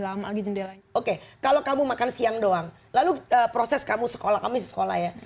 lama di jendelanya oke kalau kamu makan siang doang lalu proses kamu sekolah kamu di sekolah ya